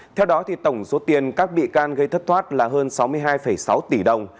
theo đó tổng số tiền các bị can gây thất thoát là hơn sáu mươi hai sáu tỷ đồng